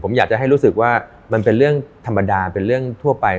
ผมอยากจะให้รู้สึกว่ามันเป็นเรื่องธรรมดาเป็นเรื่องทั่วไป